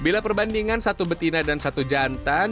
bila perbandingan satu betina dan satu jantan